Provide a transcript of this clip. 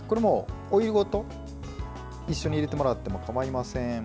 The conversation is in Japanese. オイルごと一緒に入れてもらっても構いません。